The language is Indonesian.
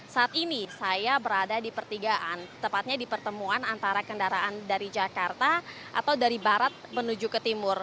saat ini saya berada di pertigaan tepatnya di pertemuan antara kendaraan dari jakarta atau dari barat menuju ke timur